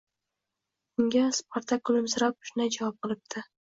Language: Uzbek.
Bunga Spartak kulimsirab shunday javob qilibdi: